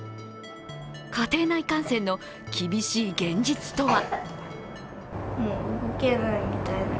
家庭内感染の厳しい現実とは。